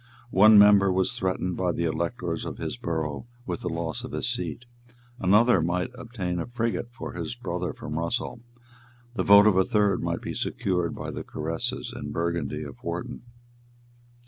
One member was threatened by the electors of his borough with the loss of his seat; another might obtain a frigate for his brother from Russell; the vote of a third might be secured by the caresses and Burgundy of Wharton.